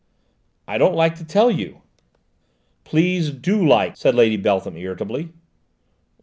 "I don't like to tell you." "Please do like!" said Lady Beltham irritably.